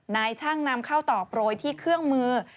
นายช่างนำเข้าต่อโปรยที่เครื่องมือ